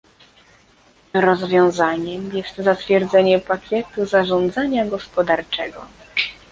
Rozwiązaniem jest zatwierdzenie pakietu zarządzania gospodarczego